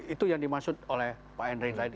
itu yang dimaksud oleh pak henry tadi